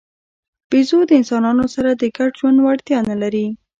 بیزو د انسانانو سره د ګډ ژوند وړتیا نه لري.